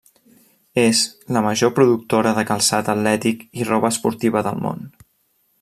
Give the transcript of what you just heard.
És la major productora de calçat atlètic i roba esportiva del món.